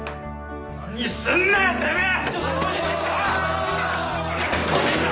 何すんだよてめぇ！